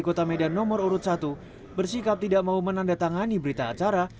kota medan nomor urut satu bersikap tidak mau menandatangani berita acara